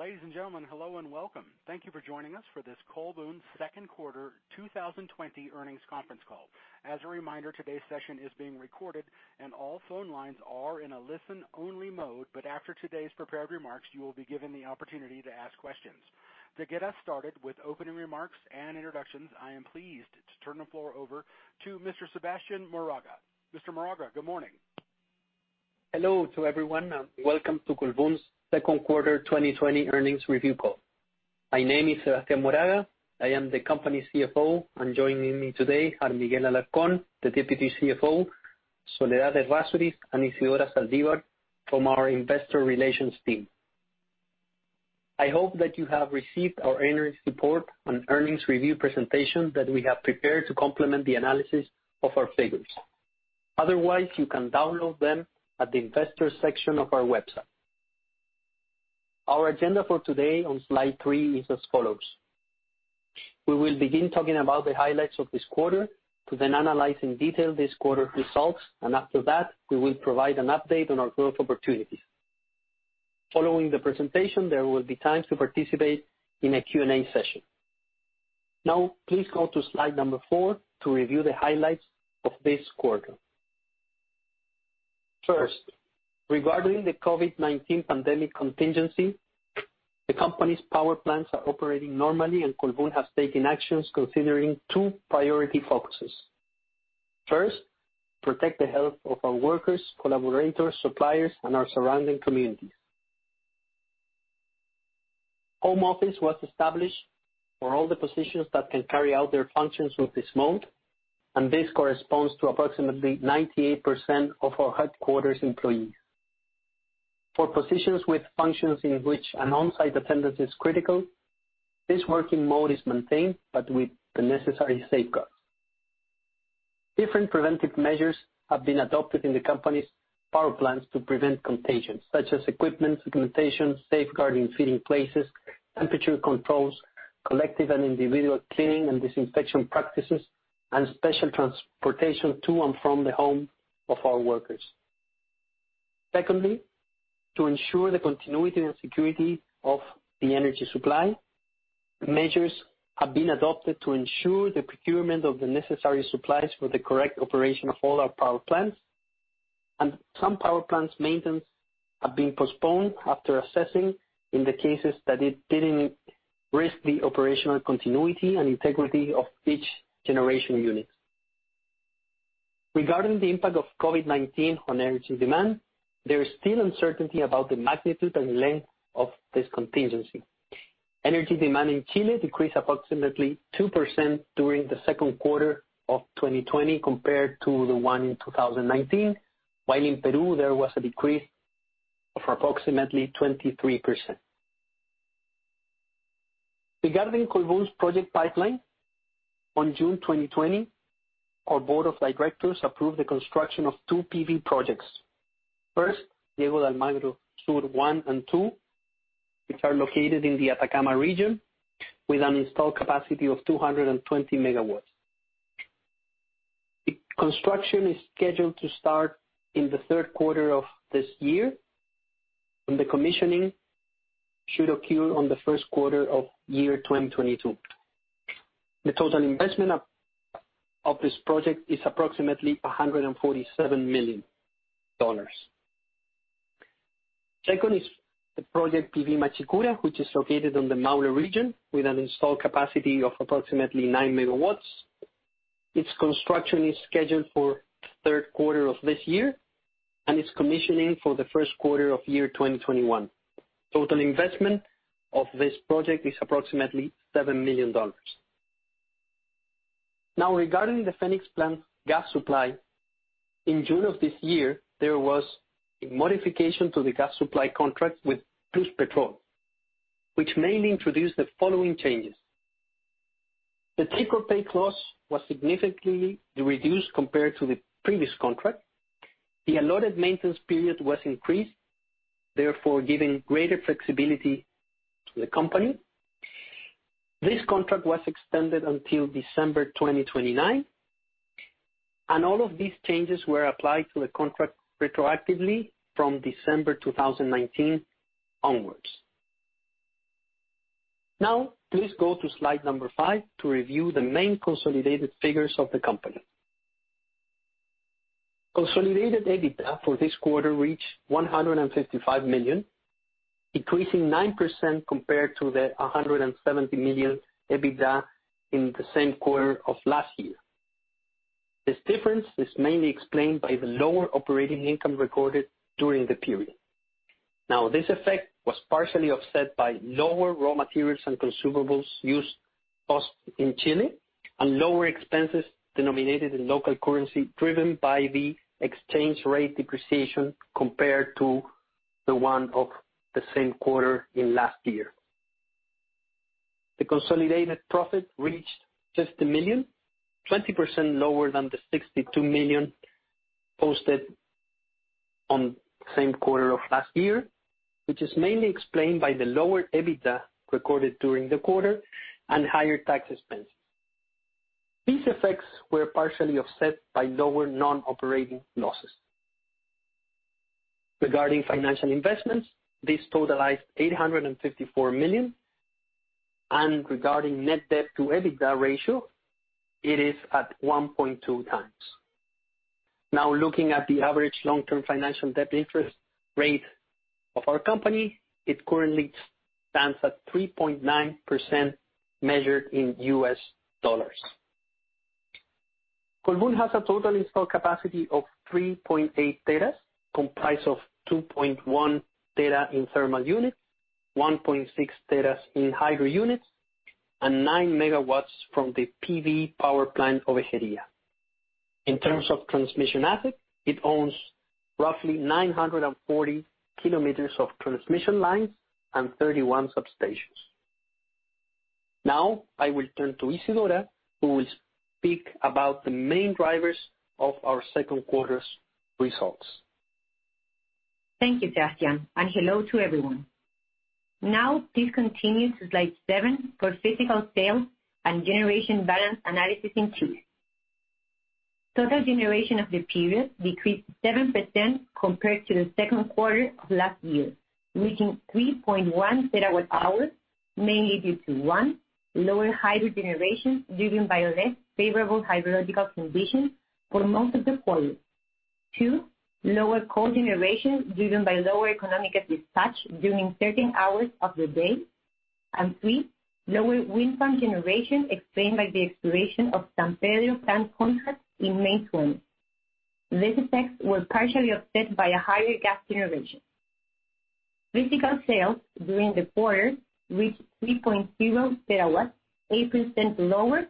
Ladies and gentlemen, hello and welcome. Thank you for joining us for this Colbún second quarter 2020 earnings conference call. As a reminder, today's session is being recorded, and all phone lines are in a listen-only mode, but after today's prepared remarks, you will be given the opportunity to ask questions. To get us started with opening remarks and introductions, I am pleased to turn the floor over to Mr. Sebastián Moraga. Mr. Moraga, good morning. Hello to everyone. Welcome to Colbún's second quarter 2020 earnings review call. My name is Sebastián Moraga. I am the company's CFO, and joining me today are Miguel Alarcón, the Deputy CFO, Soledad Errázuriz, and Isidora Zaldívar from our Investor Relations team. I hope that you have received our earnings report and earnings review presentation that we have prepared to complement the analysis of our figures. Otherwise, you can download them at the Investor section of our website. Our agenda for today on slide three is as follows. We will begin talking about the highlights of this quarter, to then analyze in detail this quarter's results, and after that, we will provide an update on our growth opportunities. Following the presentation, there will be time to participate in a Q&A session. Now, please go to slide number four to review the highlights of this quarter. First, regarding the COVID-19 pandemic contingency, the company's power plants are operating normally, and Colbún has taken actions considering two priority focuses. First, protect the health of our workers, collaborators, suppliers, and our surrounding communities. Home office was established for all the positions that can carry out their functions with this mode, and this corresponds to approximately 98% of our headquarters employees. For positions with functions in which an on-site attendance is critical, this working mode is maintained, but with the necessary safeguards. Different preventive measures have been adopted in the company's power plants to prevent contagion, such as equipment, safeguarding feeding places, temperature controls, collective and individual cleaning and disinfection practices, and special transportation to and from the home of our workers. To ensure the continuity and security of the energy supply, measures have been adopted to ensure the procurement of the necessary supplies for the correct operation of all our power plants. Some power plants' maintenance have been postponed after assessing in the cases that it didn't risk the operational continuity and integrity of each generation unit. Regarding the impact of COVID-19 on energy demand, there is still uncertainty about the magnitude and length of this contingency. Energy demand in Chile decreed approximately 2% during the second quarter of 2020 compared to the one in 2019. In Peru, there was a decrease of approximately 23%. Regarding Colbún's project pipeline, on June 2020, our board of directors approved the construction of two PV projects. Diego de Almagro Sur One and Two, which are located in the Atacama Region, with an installed capacity of 220 MW. Construction is scheduled to start in the third quarter of this year, and the commissioning should occur on the first quarter of year 2022. The total investment of this project is approximately $147 million. Second is the project PV Machicura, which is located in the Maule Region with an installed capacity of approximately nine megawatts. Its construction is scheduled for the third quarter of this year, and its commissioning for the first quarter of year 2021. Total investment of this project is approximately $7 million. Now, regarding the Fenix plant gas supply, in June of this year, there was a modification to the gas supply contract with Pluspetrol, which mainly introduced the following changes. The take-or-pay clause was significantly reduced compared to the previous contract. The allotted maintenance period was increased, therefore, giving greater flexibility to the company. This contract was extended until December 2029, and all of these changes were applied to the contract retroactively from December 2019 onwards. Please go to slide number five to review the main consolidated figures of the company. Consolidated EBITDA for this quarter reached $155 million, decreasing 9% compared to the $170 million EBITDA in the same quarter of last year. This difference is mainly explained by the lower operating income recorded during the period. This effect was partially offset by lower raw materials and consumables used, cost in Chile, and lower expenses denominated in local currency, driven by the exchange rate depreciation compared to the one of the same quarter in last year. The consolidated profit reached just $1 million, 20% lower than the $62 million posted on same quarter of last year, which is mainly explained by the lower EBITDA recorded during the quarter and higher tax expenses. These effects were partially offset by lower non-operating losses. Regarding financial investments, this totalized $854 million. Regarding net debt to EBITDA ratio, it is at 1.2 times. Looking at the average long-term financial debt interest rate of our company, it currently stands at 3.9%, measured in US dollars. Colbún has a total installed capacity of 3.8 teras, comprised of 2.1 teras in thermal units, 1.6 teras in hydro units, and nine megawatts from the PV power plant, Ovejería. In terms of transmission asset, it owns roughly 940 km of transmission lines and 31 substations. I will turn to Isidora, who will speak about the main drivers of our second quarter's results. Thank you, Sebastián, and hello to everyone. Now please continue to slide seven for physical sales and generation balance analysis in Chile. Total generation of the period decreased 7% compared to the second quarter of last year, reaching 3.1 terawatt hours, mainly due to, one, lower hydro generation driven by less favorable hydrological conditions for most of the quarter. Two, lower coal generation driven by lower economic dispatch during certain hours of the day. Three, lower wind farm generation explained by the expiration of San Pedro plant contract in May 2020. These effects were partially offset by a higher gas generation. Physical sales during the quarter reached 3.0 terawatts, 8% lower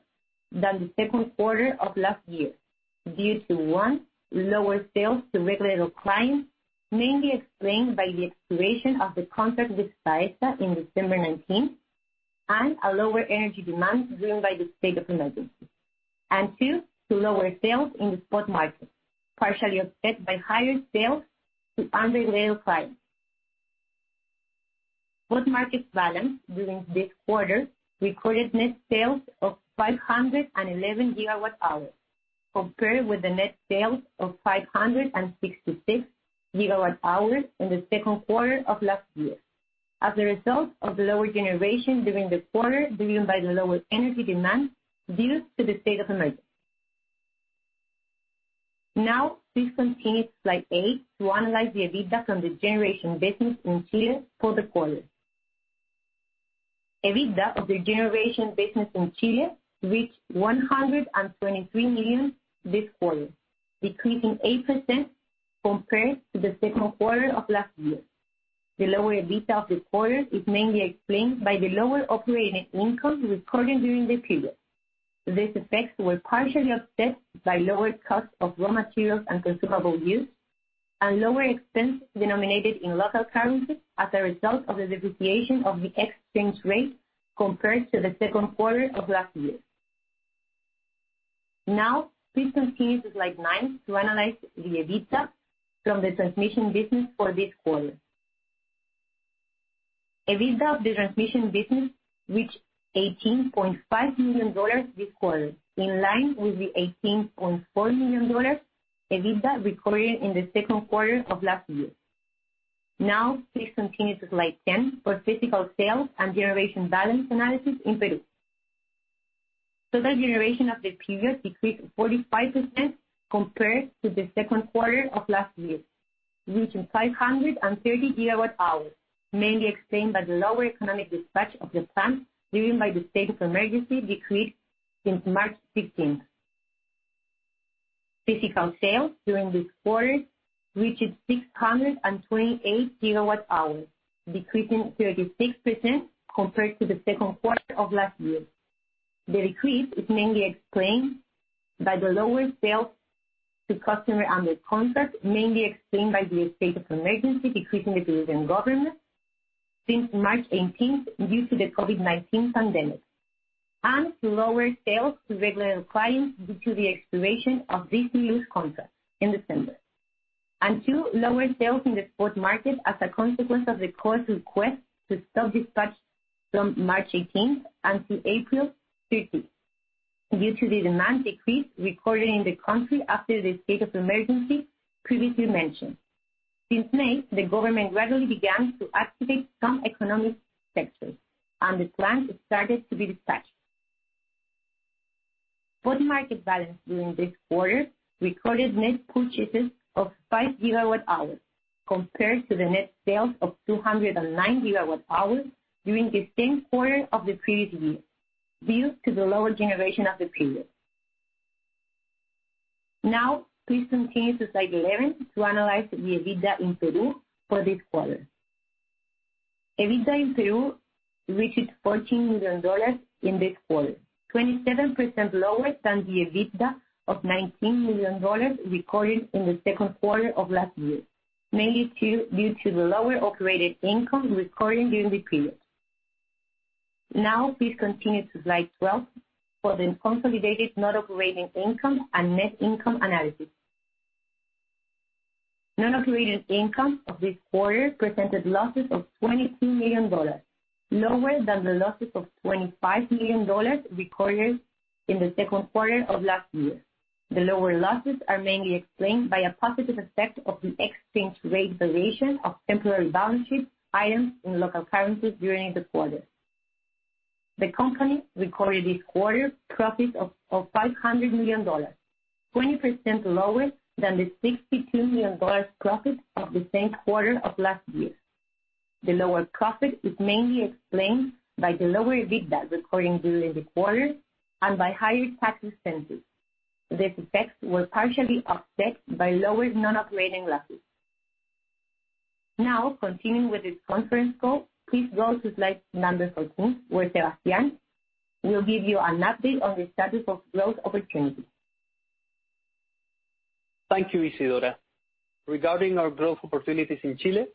than the second quarter of last year, due to, one, lower sales to regulated clients, mainly explained by the expiration of the contract with Saesa in December 2019, and a lower energy demand driven by the state of emergency. Two, to lower sales in the spot market, partially offset by higher sales to unregulated clients. Spot market balance during this quarter recorded net sales of 511 gigawatt hours, compared with the net sales of 566 gigawatt hours in the second quarter of last year, as a result of the lower generation during the quarter driven by the lower energy demand due to the state of emergency. Please continue to slide eight to analyze the EBITDA from the generation business in Chile for the quarter. EBITDA of the generation business in Chile reached $123 million this quarter, decreasing 8% compared to the second quarter of last year. The lower EBITDA of the quarter is mainly explained by the lower operating income recorded during the period. These effects were partially offset by lower cost of raw materials and consumable use and lower expenses denominated in local currency as a result of the depreciation of the exchange rate compared to the second quarter of last year. Please continue to slide nine to analyze the EBITDA from the transmission business for this quarter. EBITDA of the transmission business reached $18.5 million this quarter, in line with the $18.4 million EBITDA recorded in the second quarter of last year. Please continue to slide 10 for physical sales and generation balance analysis in Peru. Total generation of the period decreased 45% compared to the second quarter of last year, reaching 530 gigawatt hours, mainly explained by the lower economic dispatch of the plant driven by the state of emergency decreased since March 16th. Physical sales during this quarter reached 628 gigawatt hours, decreasing 36% compared to the second quarter of last year. The decrease is mainly explained by the lower sales to customer under contract, mainly explained by the state of emergency, decreasing by the Peruvian government since March 18th due to the COVID-19 pandemic, and to lower sales to regulated clients due to the expiration of this year's contract in December. Two, lower sales in the spot market as a consequence of the court's request to stop dispatch from 18th March until 13th April due to the demand decrease recorded in the country after the state of emergency previously mentioned. Since May, the government gradually began to activate some economic sectors, and the plant started to be dispatched. Spot market balance during this quarter recorded net purchases of five gigawatt hours compared to the net sales of 209 gigawatt hours during the same quarter of the previous year, due to the lower generation of the period. Please continue to slide 11 to analyze the EBITDA in Peru for this quarter. EBITDA in Peru reached $14 million in this quarter, 27% lower than the EBITDA of $19 million recorded in the second quarter of last year, mainly due to the lower operating income recorded during the period. Please continue to slide 12 for the consolidated net operating income and net income analysis. Non-operating income of this quarter presented losses of $22 million, lower than the losses of $25 million recorded in the second quarter of last year. The lower losses are mainly explained by a positive effect of the exchange rate variation of temporary bond sheet items in local currencies during the quarter. The company recorded this quarter profits of $500 million, 20% lower than the $62 million profit of the same quarter of last year. The lower profit is mainly explained by the lower EBITDA recorded during the quarter, by higher tax expenses. These effects were partially offset by lower non-operating losses. Continuing with this conference call, please go to slide number 14, where Sebastián will give you an update on the status of growth opportunities. Thank you, Isidora. Regarding our growth opportunities in Chile,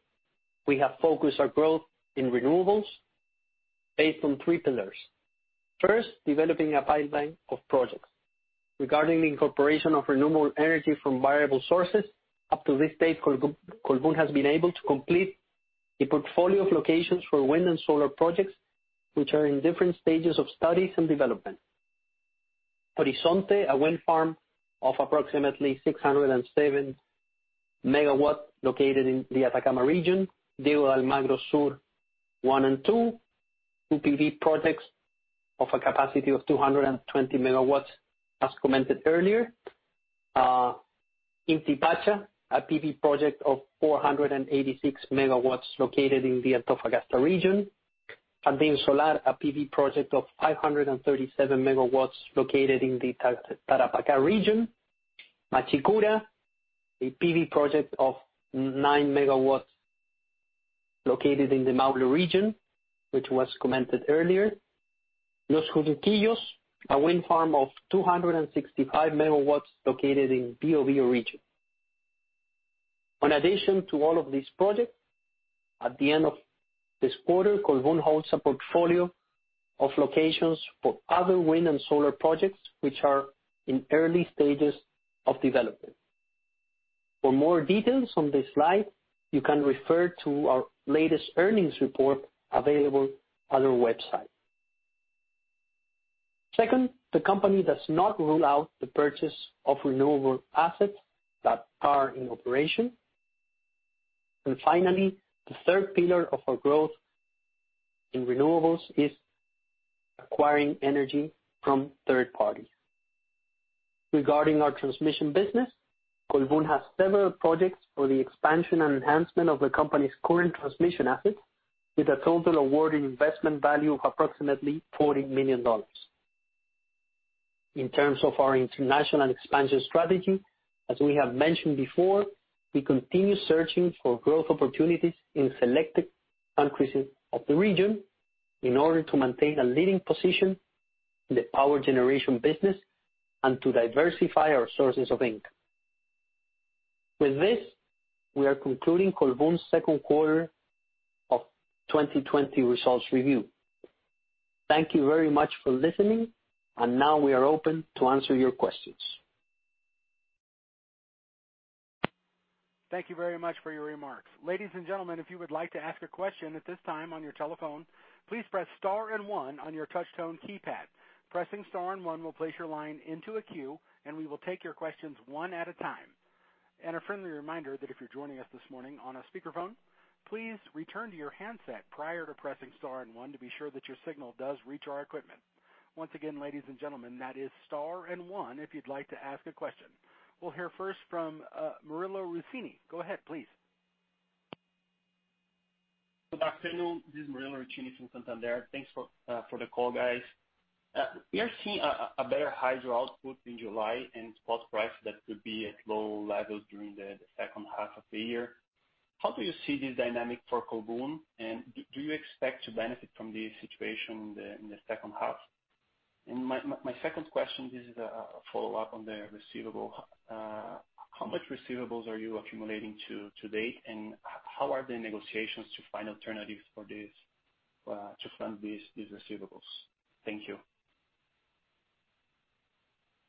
we have focused our growth in renewables based on three pillars. First, developing a pipeline of projects. Regarding the incorporation of renewable energy from variable sources, up to this date, Colbún has been able to complete a portfolio of locations for wind and solar projects, which are in different stages of studies and development. Horizonte, a wind farm of approximately 607 MW located in the Atacama Region. Diego de Almagro Sur one and two, two PV projects of a capacity of 220 MW, as commented earlier. Inti Pacha, a PV project of 486 MW located in the Antofagasta Region. Jardín Solar, a PV project of 537 MW located in the Tarapacá Region. Machicura, a PV project of 9 MW located in the Maule Region, which was commented earlier. Los Junquillos a wind farm of 265 MW located in Biobío Region. In addition to all of these projects, at the end of this quarter, Colbún holds a portfolio of locations for other wind and solar projects, which are in early stages of development. For more details on this slide, you can refer to our latest earnings report available at our website. Second, the company does not rule out the purchase of renewable assets that are in operation. Finally, the third pillar of our growth in renewables is acquiring energy from third parties. Regarding our transmission business, Colbún has several projects for the expansion and enhancement of the company's current transmission assets, with a total awarded investment value of approximately $40 million. In terms of our international expansion strategy, as we have mentioned before, we continue searching for growth opportunities in selected countries of the region in order to maintain a leading position in the power generation business and to diversify our sources of income. With this, we are concluding Colbún's second quarter of 2020 results review. Thank you very much for listening, and now we are open to answer your questions. Thank you very much for your remarks. Ladies and gentlemen, if you would like to ask a question at this time on your telephone, please press star and one on your touch tone keypad. Pressing star and one will place your line into a queue, and we will take your questions one at a time. A friendly reminder that if you're joining us this morning on a speakerphone, please return to your handset prior to pressing star and one to be sure that your signal does reach our equipment. Once again, ladies and gentlemen, that is star and one, if you'd like to ask a question. We'll hear first from Murilo Ruscini. Go ahead, please. Good afternoon. This is Murilo Ruscini from Santander. Thanks for the call, guys. We are seeing a better hydro output in July and spot price that could be at low levels during the second half of the year. How do you see this dynamic for Colbún, and do you expect to benefit from this situation in the second half? My second question is a follow-up on the receivable. How much receivables are you accumulating to date, and how are the negotiations to find alternatives to fund these receivables? Thank you.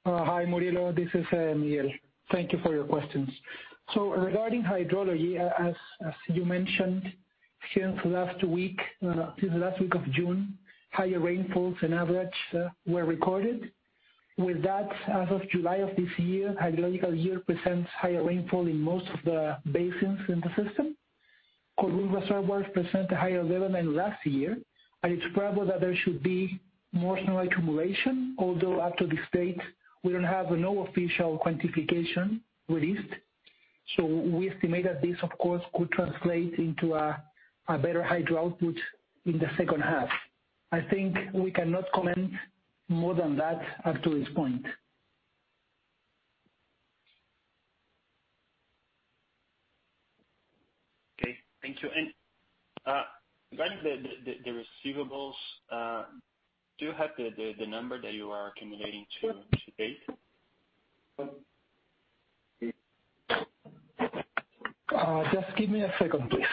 Hi, Murilo. This is Miguel. Thank you for your questions. Regarding hydrology, as you mentioned, since last week of June, higher rainfalls than average were recorded. With that, as of July of this year, hydrological year presents higher rainfall in most of the basins in the system. Colbún reservoirs present a higher level than last year. I expect that there should be more snow accumulation, although up to this date, we don't have no official quantification released. We estimate that this, of course, could translate into a better hydro output in the second half. I think we cannot comment more than that up to this point. Okay. Thank you. Regarding the receivables, do you have the number that you are accumulating to date? Just give me a second, please.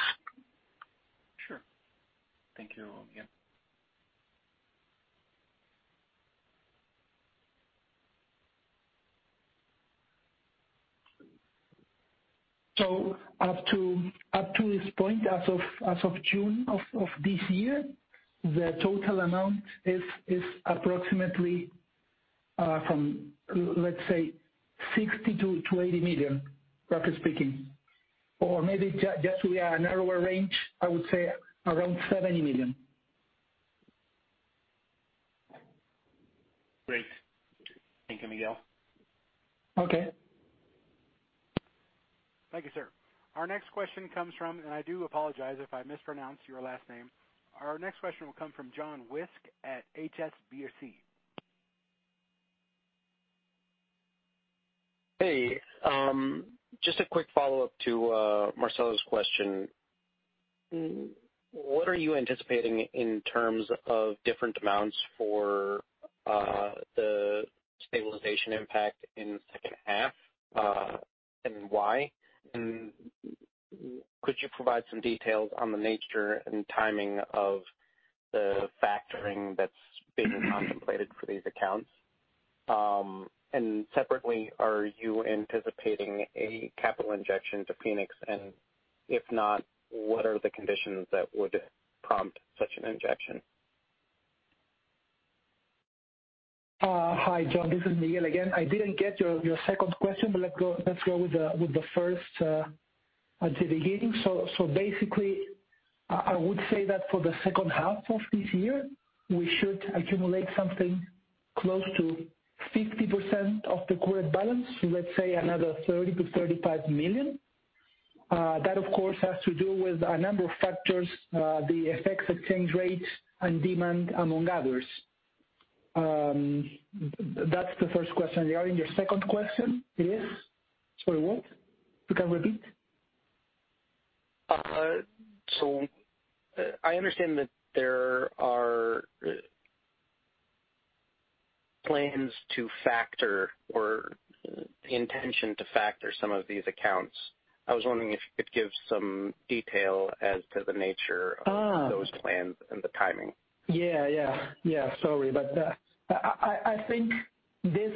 Sure. Thank you again. Up to this point, as of June of this year, the total amount is approximately from, let's say, $60 million-$80 million, roughly speaking. Maybe just a narrower range, I would say around $70 million. Great. Thank you, Miguel. Okay. Thank you, sir. Our next question comes from, and I do apologize if I mispronounce your last name. Our next question will come from John Wisk at HSBC. Hey. Just a quick follow-up to Murilo's question. What are you anticipating in terms of different amounts for the stabilization impact in the second half, and why? Could you provide some details on the nature and timing of the factoring that's being contemplated for these accounts? Separately, are you anticipating a capital injection to Fenix? If not, what are the conditions that would prompt such an injection? Hi, John. This is Miguel again. I didn't get your second question. Let's go with the first at the beginning. Basically, I would say that for the second half of this year, we should accumulate something close to 50% of the current balance, let's say another $30 million-$35 million. That, of course, has to do with a number of factors, the effects of change rates and demand, among others. That's the first question. Your second question is? Sorry, what? You can repeat. I understand that there are plans to factor or the intention to factor some of these accounts. I was wondering if you could give some detail as to the nature of. those plans and the timing. Yeah. Sorry, I think this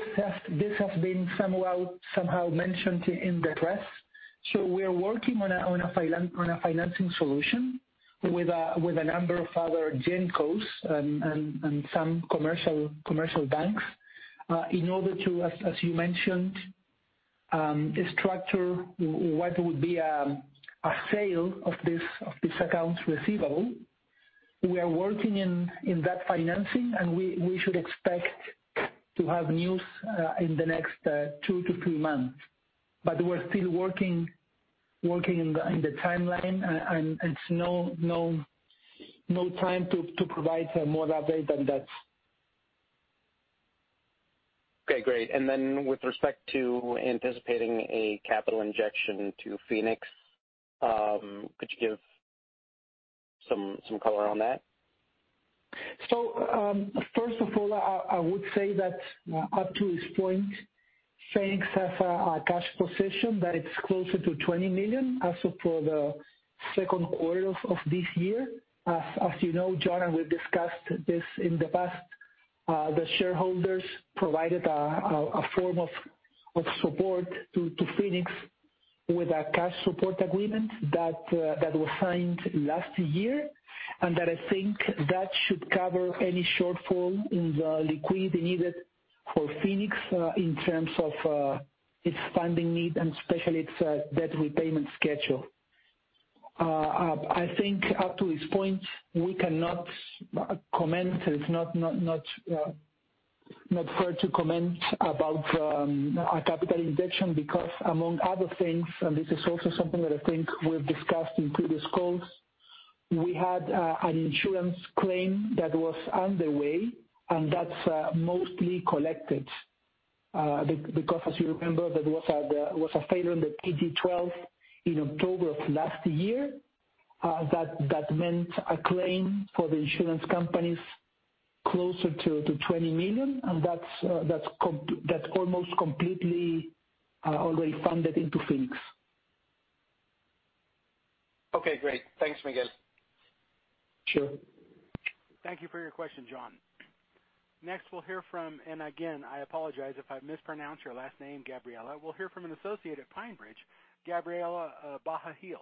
has been somehow mentioned in the press. We are working on a financing solution with a number of other gencos and some commercial banks in order to, as you mentioned, structure what would be a sale of this accounts receivable. We are working in that financing, we should expect to have news in the next two to three months. We're still working in the timeline, it's no time to provide more update than that. Okay, great. With respect to anticipating a capital injection to Fenix, could you give some color on that? First of all, I would say that up to this point, Fenix has a cash position that it's closer to $20 million as of the second quarter of this year. As you know, John, and we've discussed this in the past, the shareholders provided a form of support to Fenix with a cash support agreement that was signed last year, and that I think that should cover any shortfall in the liquidity needed for Fenix in terms of its funding need and especially its debt repayment schedule. I think up to this point, we cannot comment, and it's not fair to comment about a capital injection because, among other things, and this is also something that I think we've discussed in previous calls, we had an insurance claim that was underway, and that's mostly collected. As you remember, there was a failure on the TG 1-2 in October of last year. That meant a claim for the insurance companies closer to $20 million. That's almost completely already funded into Fenix. Okay, great. Thanks, Miguel. Sure. Thank you for your question, John. Next, we'll hear from, and again, I apologize if I mispronounce your last name, Gabriela. We'll hear from an associate at PineBridge Investments, Gabriela Bachrach.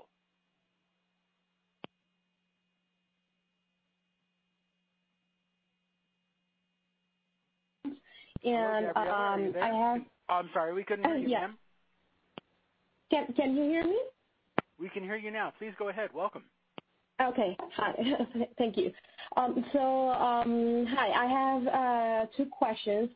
And I have- I'm sorry, we couldn't hear you, ma'am. Can you hear me? We can hear you now. Please go ahead. Welcome. Okay. Hi. Thank you. Hi. I have two questions.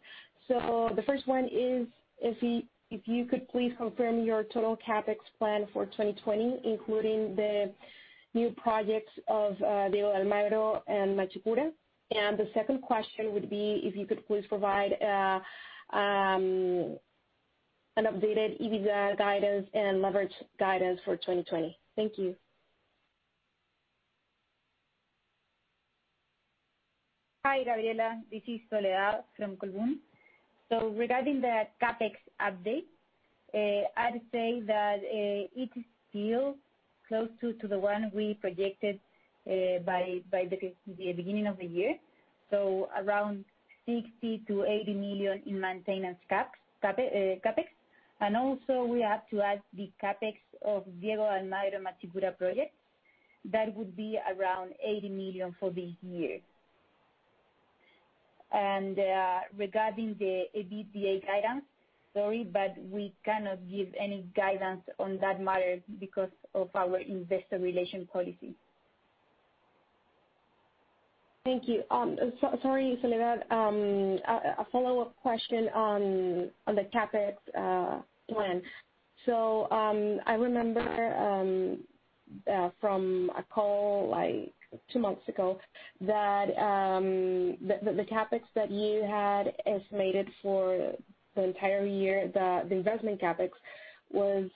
The first one is if you could please confirm your total CapEx plan for 2020, including the new projects of Diego de Almagro and Machicura. The second question would be if you could please provide an updated EBITDA guidance and leverage guidance for 2020. Thank you. Hi, Gabriela Bachrach. This is Soledad Errázuriz from Colbún. Regarding the CapEx update, I'd say that it is still close to the one we projected by the beginning of the year. Around $60 million-$80 million in maintenance CapEx. Also, we have to add the CapEx of Diego de Almagro and Machicura projects. That would be around $80 million for this year. Regarding the EBITDA guidance, sorry, but we cannot give any guidance on that matter because of our investor relation policy. Thank you. Sorry, Soledad. A follow-up question on the CapEx plan. I remember from a call two months ago that the CapEx that you had estimated for the entire year, the investment CapEx, was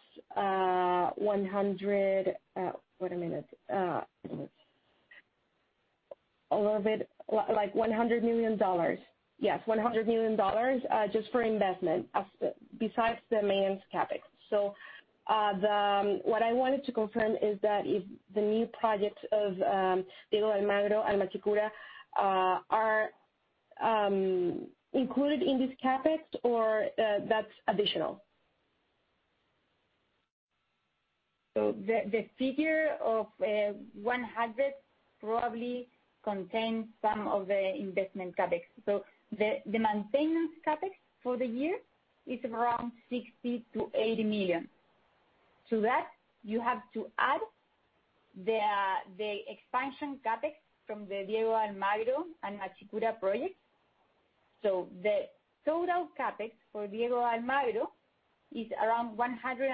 like $100 million. Yes, $100 million just for investment, besides the maintenance CapEx. What I wanted to confirm is that if the new projects of Diego de Almagro and Machicura are included in this CapEx or that's additional? The figure of $100 probably contains some of the investment CapEx. The maintenance CapEx for the year is around $60 million-$80 million. To that, you have to add the expansion CapEx from the Diego de Almagro and Machicura projects. The total CapEx for Diego de Almagro is around $150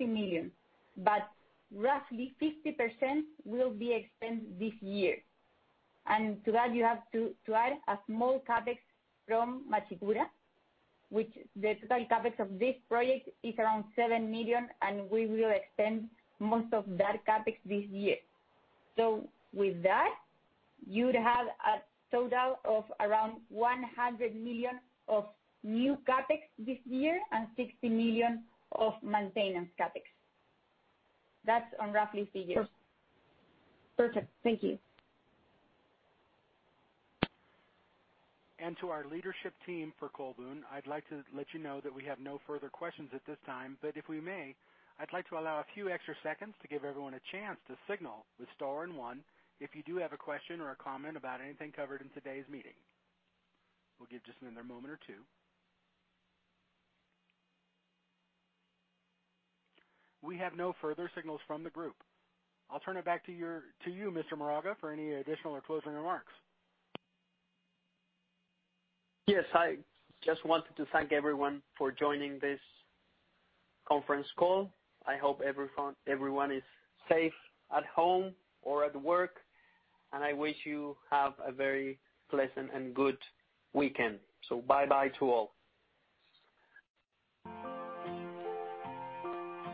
million, but roughly 50% will be spent this year. To that, you have to add a small CapEx from Machicura, which the total CapEx of this project is around $7 million, and we will expend most of that CapEx this year. With that, you'd have a total of around $100 million of new CapEx this year and $60 million of maintenance CapEx. That's on roughly figures. Perfect. Thank you. To our leadership team for Colbún, I'd like to let you know that we have no further questions at this time. If we may, I'd like to allow a few extra seconds to give everyone a chance to signal with star and one, if you do have a question or a comment about anything covered in today's meeting. We'll give just another moment or two. We have no further signals from the group. I'll turn it back to you, Mr. Moraga, for any additional or closing remarks. I just wanted to thank everyone for joining this conference call. I hope everyone is safe at home or at work, and I wish you have a very pleasant and good weekend. Bye-bye to all.